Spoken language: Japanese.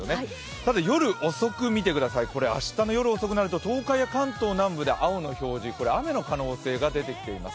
ただ、明日の夜遅くなると東海や関東南部で青の表示、雨の可能性が出てきています。